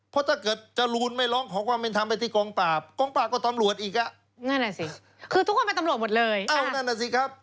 เพราะถ้าเกิดจะลูนไม่ร้องของความเป็นทำไปที่กองปราบกองปราบก็ตำรวจอีกอะ